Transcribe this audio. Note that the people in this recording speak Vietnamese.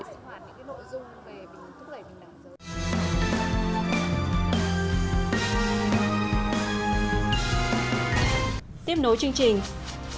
tiếp nối chương trình